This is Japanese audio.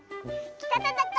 きたたたか！